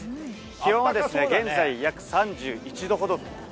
気温は現在、約３１度ほどと。